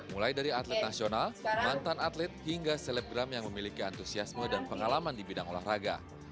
mulai dari atlet nasional mantan atlet hingga selebgram yang memiliki antusiasme dan pengalaman di bidang olahraga